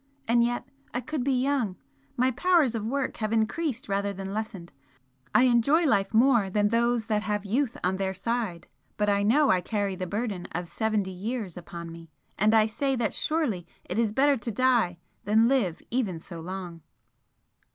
And yet I could be young! my powers of work have increased rather than lessened I enjoy life more than those that have youth on their side but I know I carry the burden of seventy years upon me, and I say that surely it is better to die than live even so long!"